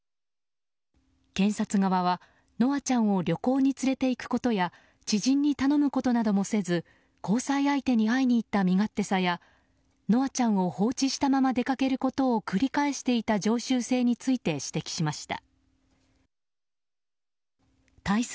検察側は稀華ちゃんを旅行に連れていくことや知人に頼むことなどもせず交際相手に会いに行った身勝手さや、稀華ちゃんを放置したまま出かけたことを繰り返していた常習性について指摘しました。